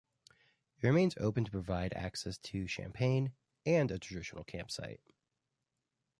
It remains open to provide access to Champagne and a traditional campsite.